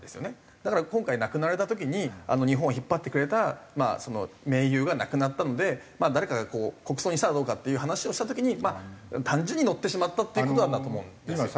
だから今回亡くなられた時に日本を引っ張ってくれた盟友が亡くなったので誰かがこう国葬にしたらどうかっていう話をした時に単純に乗ってしまったっていう事なんだと思うんですよ。